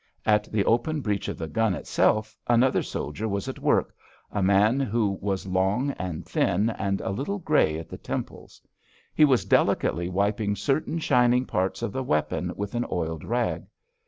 At the open breach of the gun itself another soldier was at work, a man who was long and thin, and a little grey at the temples. He was delicately wiping certain shining parts of the weapon with an oiled rag.